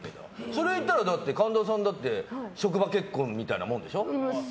それでいったら、神田さんだって職場結婚みたいなもんでしょ。